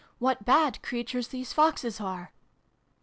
What bad creatures these Foxes are